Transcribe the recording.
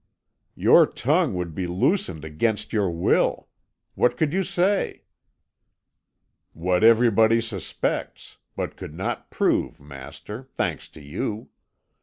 "Your tongue would be loosened against your will! What could you say?" "What everybody suspects, but could not prove, master, thanks to you.